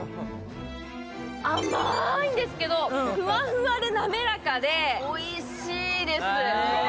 甘いんですけど、ふわふわで滑らかでおいしいです。